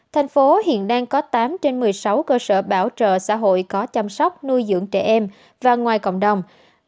thành phố hiện đang có tám trên một mươi sáu cơ sở bảo trợ xã hội có chăm sóc nuôi dưỡng trẻ em và ngoài cộng đồng